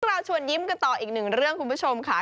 เราชวนยิ้มกันต่ออีกหนึ่งเรื่องคุณผู้ชมค่ะ